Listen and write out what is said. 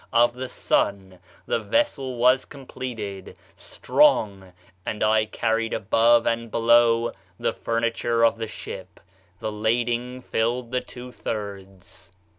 ... of the sun ... the vessel was completed. ... strong and I had carried above and below the furniture of the ship. [This lading filled the two thirds.